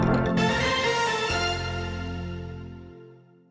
สวัสดีค่ะสวัสดีค่ะสวัสดีค่ะสวัสดีค่ะ